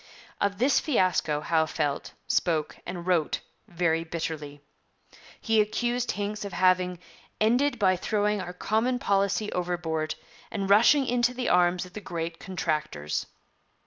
Of this fiasco Howe felt, spoke, and wrote very bitterly. He accused Hincks of having 'ended by throwing our common policy overboard, and rushing into the arms of the great contractors.'